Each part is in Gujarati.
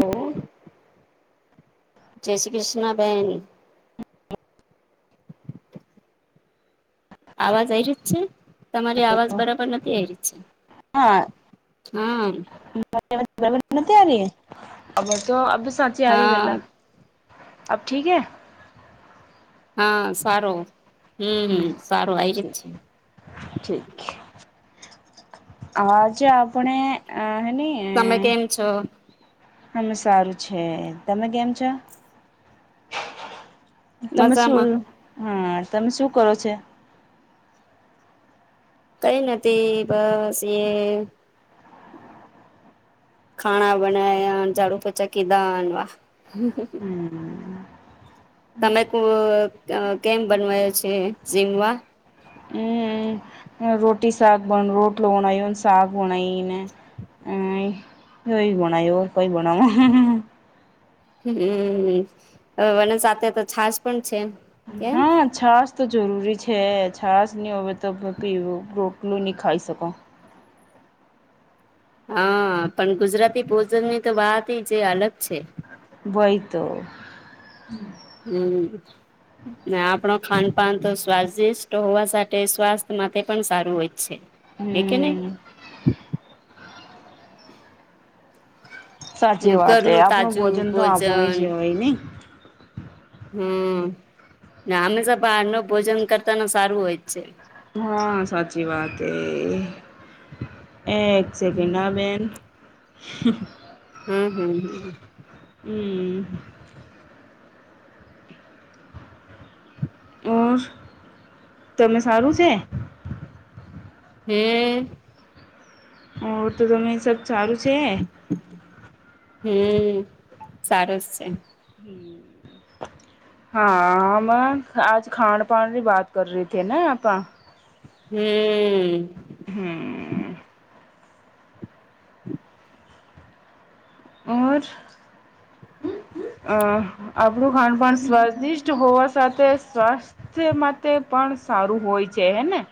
હ, જય શ્રી કૃષ્ણ બેાઈન આવાજ આ રીત છે? તમારી અવાજ બરાબર નથી આવી ર છે, હા આ ર અ તો અી સાચી આ રહી વેલા હા અબ ઠીકે. હા સારો હમ હમ સારું આવી જ જ ઠીક છે. ઠીક આજે આપણે આ તમે કેમ છો? હમે સારું છે તમે કેમ છો? તમે શું મજામાં હા તમે શું કરો છો? કઈ નથી બસ એ ખાણા બનાયા ઝાડુ પચા કીધા. હમ તમે ક કેમ બનવાયો છે જીમવા રોટટી સાગ બન રોટ લના હ સાગ બના ને કોઈ બનાયો કોઈ બનાવ હમ હવે વન સાથે તો છશ પણ છે. કેમ હા છ. તો જરૂરી છે છાસ નહી હોય તો પીવું બ્રોટલું નહીં ખાઈ શકો. હા પણ ગુજરાતી ભોજન ની તો વાત છે અલગ છે. બ તો હમ. ના આપણ ખાન પાાન તો સ્વાદિષ્ટ હોવા સાથે સ્વાસ્થ્ય માટે પણ સારું હોય. એ કેને. હમ સાચી વાત એ ઘરનું આપણું તાજું ભોજન તો આપણું જ ભોજન હોય નહ. હમ ના હમેશા બહાર ન ભોજન કરતા ન સારું હોય જ છે. હા સાચી વાત એ એક સેકન્ડા બેન હમ હમ હ. હમ ઓર તમે સારું છે. હમ. ઓ તો તમે સબ સારું છે. હમ સારું જ છે. હા મે આજ ખાન પાણની બાત કર રહી હતી ના આપા હમ. હમ. ઓર હ. અ આપણું ખાંડ પણ સ્વાદિષ્ટ હોવા સાથે સ્વાસ્થ્ય માટે પણ સારું હોય છે હે ને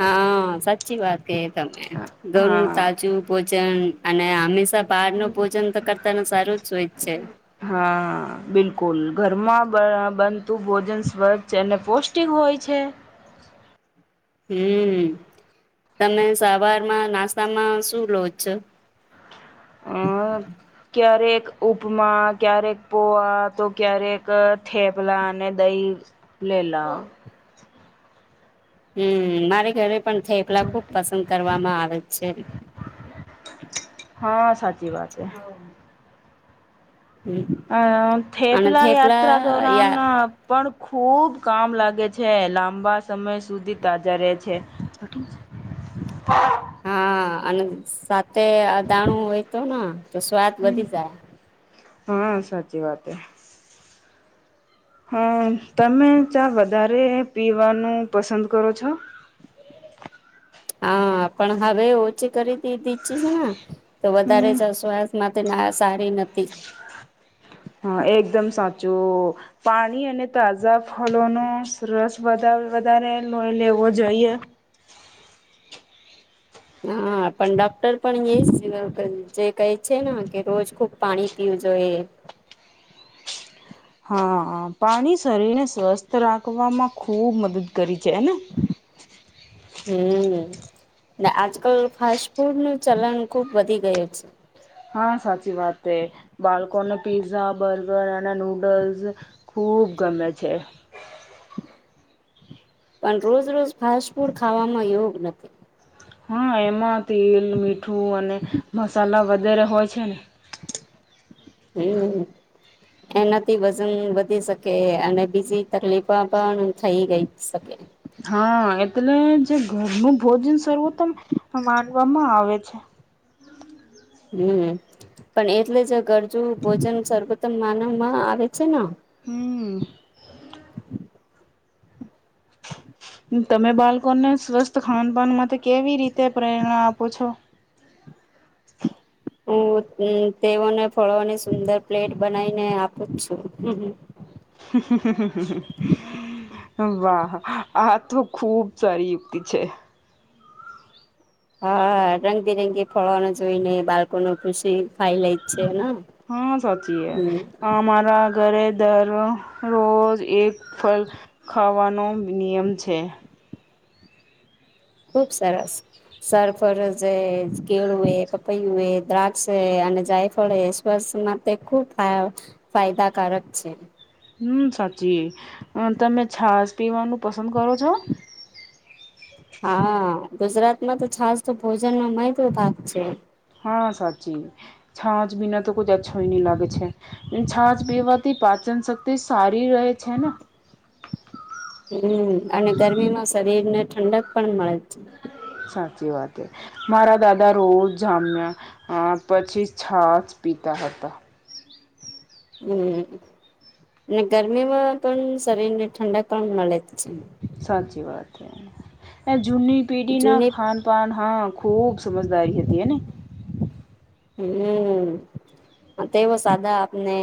હા સાચી વાત કે તમે ઘરનું હા તાજું ભોજન અને હંમેશા બહારનુ ભોજન તો કરતા સારું જ હોય જ છે. હા બિલકુલ ઘરમાં બનતું ભોજન સ્વચ્છ અને પોસ્ટિંગ હોય છે હમ તમે સવારમાં નાસ્તામાં શું લો છો અમ ક્યારે ઉપમા ક્યારેક પોવા તો ક્યારેક થેપલા અને દહીં લેલા [inaudible] હમ મારે ઘરે પણ થેપલા ખુબ પસંદ કરવામાં આવે છે. હા સાચી વાત હે. હમ અ અને થેપલા યાત્રા થેપલા દોરન યા પણ ખુબ કામ લાગે છે લાંબા સમય સુધી તાજા રહે છે. [inaudible] હા અને સાથે દાણું હોયતો ને તો સ્વાદ વધી જાય હા સાચી વાત હે હા તમે ચા વધારે પીવાનું પસંદ કરો છો હા પણ હવે ઓછી કરી દીધી છે ને તો વધારે હમ સ્વાસ્થ્ય માટે ના સારી નથી જો પાણી અને તાજા ફળનો રસ વધારે લઈ લેવું જોઈએ હા પણ ડોક્ટર પણ એ જે કહે છે ને કે રોજ ખુબ પાણી પીવું જોઈએ હા પાણી શરીર ને સ્વસ્થ રાખવામાં ખુબ મદદ કરે હમ આજકાલ ફાસ્ટ ફૂડ નું ચલન ખુબ વધી ગયુ છે હા સાચી વાત છે બાળકોને પીઝા બર્ગર અને નૂડલ્સ ખૂબ ખૂબ ગમે છે [inaudible] પણ રોજ રોજ ફાસ્ટ ફૂડ ખાવામાં યોગ નથી હા એમાં તેલ મીઠું અને મસાલા વગેરે હોય છે ને હમ એનાથી વજન વધી શકે અને બીજી તકલીફ પણ થઈ ગઈ શકે હા એટલે જે ઘરનું ભોજન સર્વોત્તમ માનવામાં આવે છે [inaudible] હમ પણ એટલે જ ઘરનુ ભોજન સર્વોત્તમ માનવમાં આવે હમ [unintelligible] તમે બાળકોને સ્વસ્થ ખાન પાાન માટે કેવી રીતે પ્રેરણા આપો છો [inaudible] હું તેઓને ફળોની સુંદર પ્લેટ બનાવીને આપું જ છું વાહ આ તો ખુબ સારી યુક્તિ છે હા રંગબેરંગી ફળવાનો જોઈને બાળકોનુ ખુશી ખાઈ લે છે ને હા સાચી હમ હ અમારાા ઘરે દરરોજ એક ફળ ખાવાનો નિયમ છે ખુબ સરસ સરફરજ કેળું એ કપૈયું એ દ્રાક્ષ અને જાયફળ એ સ્વાસ્થ્ય તે ખુબ ફાયદાકારક છે હમ સાચી તમે છાશ પીવાનું પસંદ કરો છો હા ગુજરાતમાં તો છાસ તો ભોજન નો મહદ ભાગ છે. હા સાચી છાચ પીના તો ક અચછો નહી લાગે છે છાંચ પીવાથી પાચન શક્તિ સારી રહે છે ને. હ હમ અને ગરમીમાં શરીર ને ઠંડક પણ મળે છે. સાચી વા મારા દાદા રોજ જામ્યા પછી છાાસ પીતા ઘતો હમ અને ગરમીમાં પણ શરીર ને ઠંડક પણ મળે છે. સાચી વાત છે એ જૂની પીઢી ના જૂની ખાન પાન હા ખૂબ સમજદારી હતી એને હમ તેઓ સાદા આપને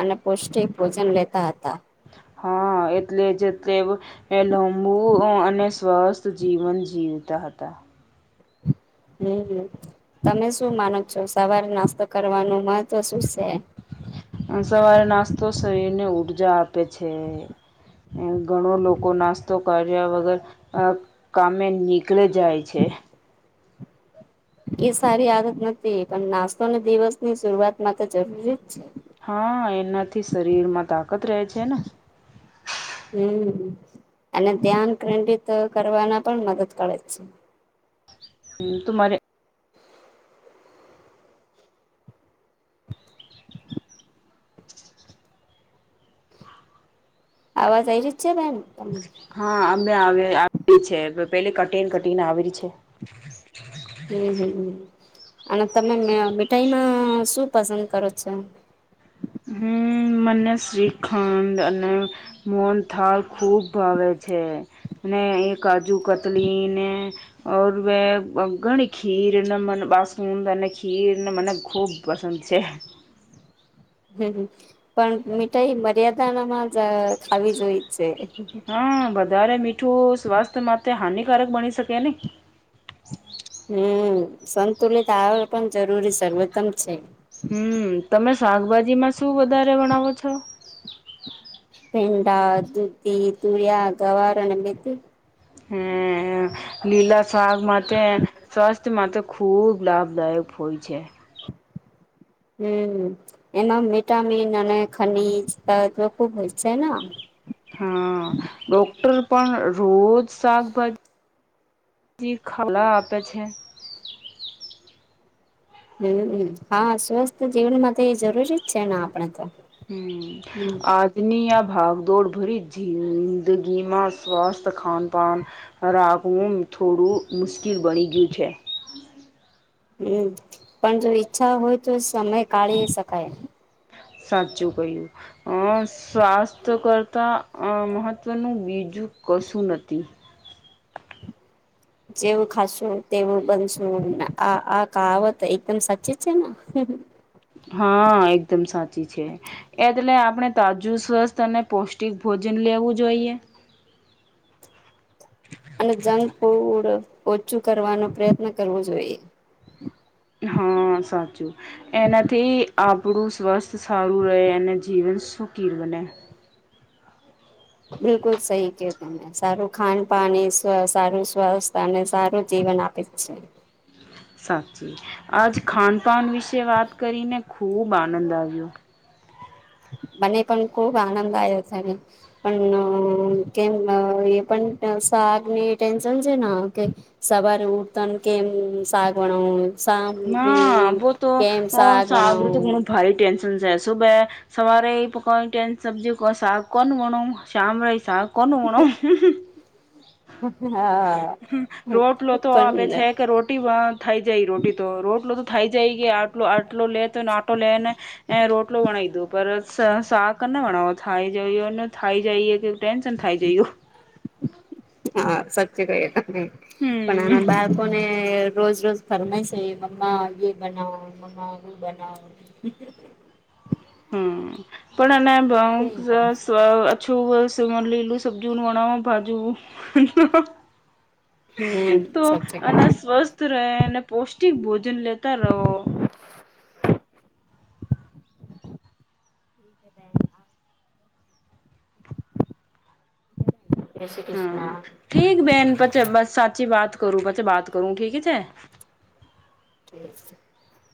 અને પૌષ્ટિક ભોજન લેતા હતા. હા એટલે જ તે લાંબુ અને સ્વસ્થ જીવન જીવ તા હતા હમ હ તમે શું માનો છો સવારે નાસ્તો કરવાનું મહત્વ શું છે? સવારે નાસ્તો શરીર ને ઊર્જા આપે છે. ઘણો લોકો નાસ્તો કર્યા વગર કામે નીકળે જાય છે. [inaudible] એ સારી આદત નથી પણ નાસ્તો અને દિવસ ની શરૂઆત માત્ર જરૂરી જ છે. થી શરીર માં તાકત રહે છે ને. હમ અને ધ્યાન કેન્દ્રિત કરવાના પણ મદદ કરે છે. હ તુરે આવાજઈ રીત છે બેન હા અમે આવી છે પેલી કટીને કટીને આવે છે. હમ હમ હ અને તમે મીઠાઈમાં શું પસંદ કરો છો? હમ મને શ્રીખંડ અને અને મોહનથાળ ખૂબ ભાવેે છે ને એ કાજુ કતલીને બે ઘણી ખીર મ બસુું અને ખીરને મને ખૂબ પસંદ છે. [inaudible] હમ પણ મીઠાઈ મર્યાદાનામાં જ ખાવી જોઈ છે. હા વધારે મીઠું સ્વાસ્થ્ય માટે હાનિકારક બણી શકે ને હમ સંતુલિત આવે પણ જરૂરી સર્વોત્તમ છે. હમ તમે શાકભાજી માં શું વધારે વણાવો છો. ભીડા દુધી તુરિયા ગવાર બેથી હમ લીલા સાગ મ સસ વસ્ત માત્ર ખૂબ લાભદાયક હોય છે. હમ એમાં વિટામિન અને ખનીજ ખુબ હોય છે ને. હા ડોક્ટર પણ રોજ શાકભાજી જીી ખાલા આપે છે. હમ હા સ્વસ્થ જીવન માં તો એ જરૂરી જ છે ને આપણે તો હમ હમ આદની આ ભાગ દોડ ભરી જિંદગીમાં સ્વસ્થ ખાન પાન રાખું થોડું મુશ્કે સ્થિર બની ગયું છે. હમ પણ જો ઈચ્છા હોય તો સમય કાઢી શકાય સાચું કહ્યું અ સ્વાસ્થ્ય કરતા મહત્વનું બીજું કશું નથી. જેવું ખાશું તેવું બનશું આ આ કાવત એકદમ સાચી છે ને હા એકદમ સાચી છે એટલે આપણે તાજું સ્વસ્થ અને પૌષ્ટિક ભોજન લેવું જોઈએ [inaudible] અને જંક ફૂડ ઓછું કરવાનો પ્રયત્ન કરવો જોઈએ હા સાચું એનાથી આપણું સ્વસ્થ સારું રહે અને જીવન સુકીર બને બિલકુલ સહી કે તને સારું ખાન પાણી સ સારું સ્વાસ્થ અને સારું જી વન આપે જ છે. સાચી આજ ખાનપાન વિશે વાત કરીને ખુબ આનંદ આવ્યો મને પણ ખુબ આનંદ આવ્યો છે ને પણ કેમ અ એ પણ શાક ની ટેન્શન છે ને કે સવારે ઉઠતા કેમ શાક વણવ ના બો તો શાક [unintelligible] તો બનાવું ઘણું ભારે ટેન્શન છે સુબે સવારે એ પક [inaudible] કોનું વણો હા રોટલો તો આપે પણ છે કે રોટી અ થઈ જાય રોટી તો રોટલો તો થાય જાય કે આટલો આટલો લેતો આટોલેને રોટ આટલો વણાદો પર સાાકરને વણાવો થાય જયયો થાય જાયએ કે ટેન્શન થાય જયું હા સાચી કહી તમે પણ હમ આના બાળકોને રોજ રોજ ફરમાય છે મમ્મા એ બનાવો મમ્મા એ બનાવો પણ અને કેમ કરે [unintelligible] લીલું સબ્જુ બનાવા ભાજુ હમ તો સાચું અના કહ્યું સ્વસ્થ રહે પૌષ્ટિક ભોજન લેતા રહો [inaudible] [inaudible] શ્રી હા કૃષ્ણ ઠીક બેન પચ બસ સાચી વાત કરું પછી બાત કરું ઠીક છે [inaudible]